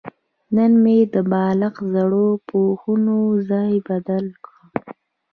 نن مې د بالښت زړو پوښونو ځای بدل کړ.